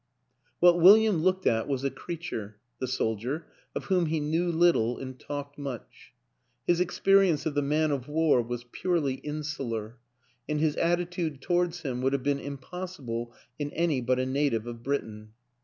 What William looked at was a creature (the soldier) of whom he knew little and talked much; his experience of the man of war was purely in sular, and his attitude towards him would have been impossible in any but a native of Britain.